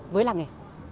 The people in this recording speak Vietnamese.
với làng nghề